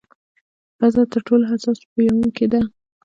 پزه تر ټولو حساس بویونکې ده.